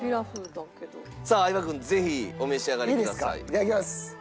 いただきます。